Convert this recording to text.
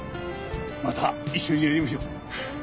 また一緒にやりましょう。